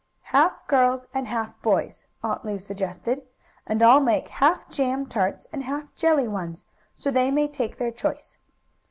"Half girls and half boys," Aunt Lu suggested. "And I'll make half jam tarts and half jelly ones, so they may take their choice."